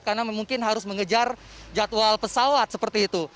karena mungkin harus mengejar jadwal pesawat seperti itu